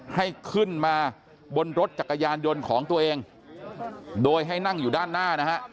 ให้ขึ้นมาบนรถจักรยานยนต์ของตัวเองโดยให้นั่งอยู่ด้านหน้านะฮะ